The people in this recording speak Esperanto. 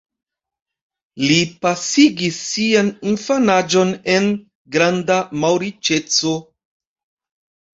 Li pasigis sian infanaĝon en granda malriĉeco.